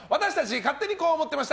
勝手にこう思ってました！